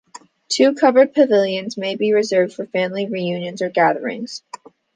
Two covered pavilions may be reserved for family reunions or gatherings.